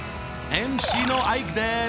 ＭＣのアイクです！